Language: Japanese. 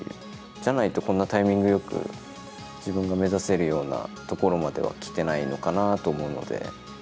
じゃないと、こんなタイミングよく、自分が目指せるようなところまでは来てないのかなと思うので。